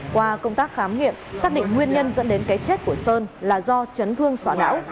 qua công tác khám nghiệm xác định nguyên nhân dẫn đến cái chết của sơn là do chấn thương sọ não